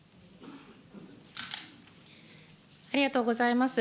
ありがとうございます。